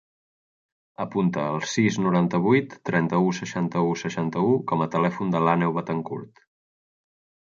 Apunta el sis, noranta-vuit, trenta-u, seixanta-u, seixanta-u com a telèfon de l'Àneu Betancourt.